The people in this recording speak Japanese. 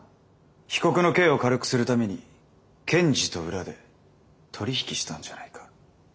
被告の刑を軽くするために検事と裏で取り引きしたんじゃないか？